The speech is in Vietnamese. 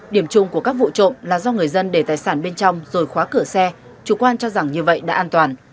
điểm chung của các vụ trộm là do người dân để tài sản bên trong rồi khóa cửa xe chủ quan cho rằng như vậy đã an toàn